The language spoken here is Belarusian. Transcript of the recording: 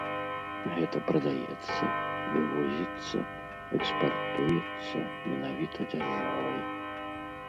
Гэта прадаецца, вывозіцца, экспартуецца менавіта дзяржавай.